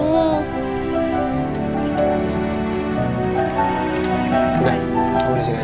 udah aku disini aja